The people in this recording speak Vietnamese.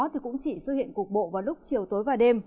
thì cũng chỉ xuất hiện cục bộ vào lúc chiều tối và đêm